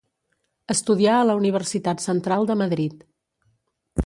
Estudià a la Universitat Central de Madrid.